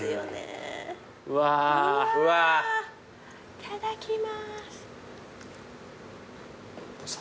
いただきます。